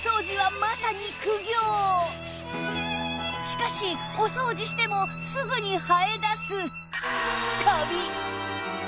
しかしお掃除してもすぐに生えだす